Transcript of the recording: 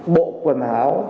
bộ quần áo